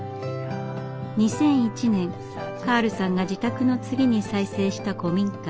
２００１年カールさんが自宅の次に再生した古民家。